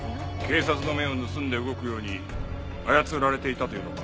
警察の目を盗んで動くように操られていたというのか？